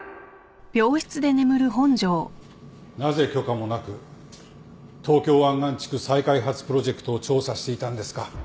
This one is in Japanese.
なぜ許可もなく東京湾岸地区再開発プロジェクトを調査していたんですか？